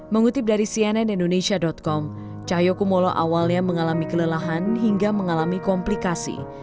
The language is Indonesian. mengutip dari cnnindonesia com cahyo kumolo awalnya mengalami kelelahan hingga mengalami komplikasi